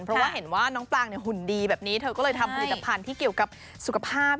เพราะว่าเห็นว่าน้องปลางหุ่นดีแบบนี้เธอก็เลยทำผลิตภัณฑ์ที่เกี่ยวกับสุขภาพ